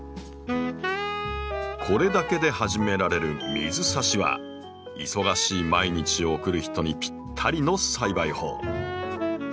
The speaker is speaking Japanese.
これだけで始められる「水挿し」は忙しい毎日を送る人にピッタリの栽培法。